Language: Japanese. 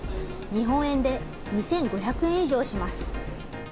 日本円で２５００円以上します。